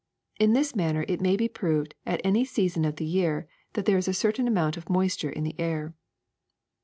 In this manner it may be proved at any season of the year that there is a certain amount of moisture in the air.